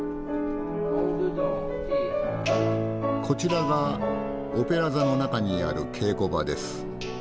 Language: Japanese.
こちらがオペラ座の中にある稽古場です。